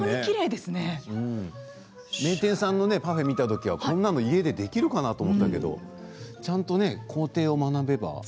名店さんのパフェ見たときはこんなの家でできるかなと思ったけどちゃんと工程を学べば。